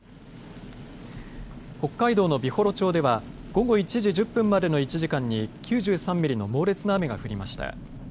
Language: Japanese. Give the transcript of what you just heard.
北海道の美幌町では午後１時１０分までの１時間に９３ミリの猛烈な雨が降りました。